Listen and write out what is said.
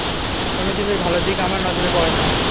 কোনো কিছুর ভালো দিক আমার নজরে পড়ে না।